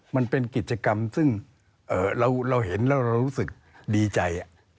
มันเป็นกิจกรรมซึ่งเราเห็นแล้วเรารู้สึกดีใจ